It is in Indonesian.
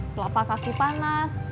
kelapa kaki panas